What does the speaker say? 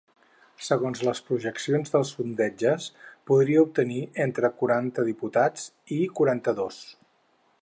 Segons les projeccions dels sondatges, podria obtenir entre quaranta diputats i quaranta-dos.